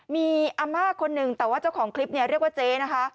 มีอาม่าคนหนึ่งแต่ว่าเจ้าของคลิปเนี่ยเรียกว่าเจ๊นะคะ